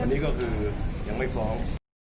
อันนี้ก็คือยังไม่ฟ้อง